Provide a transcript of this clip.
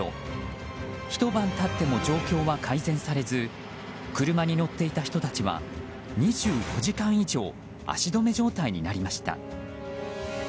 ひと晩経っても状況は改善されず車に乗っていた人たちは２４時間以上足止め状態になりました。